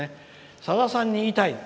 「さださんに言いたい。